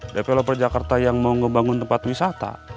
developer jakarta yang mau ngebangun tempat wisata